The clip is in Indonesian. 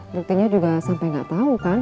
buktinya juga sampai nggak tahu kan